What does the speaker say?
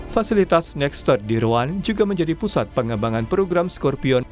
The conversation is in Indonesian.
fasilitas nextred di roan juga menjadi pusat pengembangan program skorpion